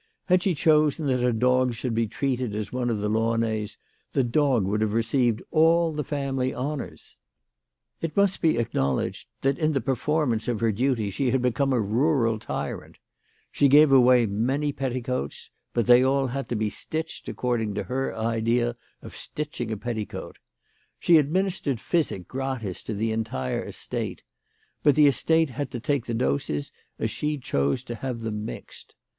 Had she chosen that a dog should be treated as one of the Launay s, the dog would nave received all the family honours. It must be acknowledged of her that in the 110 THE LADY OF LATJNAY. performance of her duty she had become a rural tyrant. She gave away many petticoats ; but they all had to be stitched according to her idea of stitching a petticoat. She administered physic gratis to the entire estate ; but the estate had to take the doses as she chose to have them mixed.